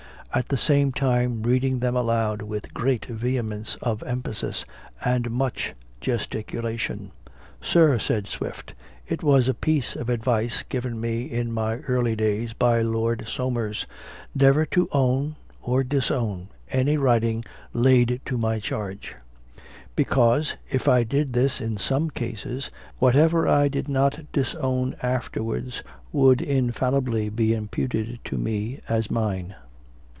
at the same time reading them aloud with great vehemence of emphasis, and much gesticulation. "Sir," said Swift, "it was a piece of advice given me in my early days by Lord Somers, never to own or disown any writing laid to my charge; because, if I did this in some cases, whatever I did not disown afterwards would infallibly be imputed to me as mine.